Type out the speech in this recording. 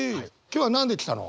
今日は何で来たの？